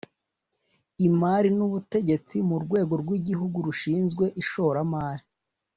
Imari nubutegetsi mu rwego rwigihugu rushinzwe ishoramari